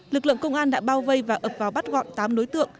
lực lượng công an đã bao vây và ập vào bắt gọn tám đối tượng